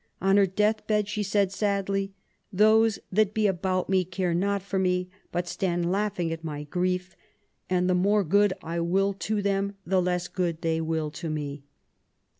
On her deathbed, she said sadly: Those that be about me care not for me, but stand laughing at my gi'ief ; and the more good I will to them the less good they will to me